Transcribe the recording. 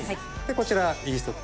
こちらイースト菌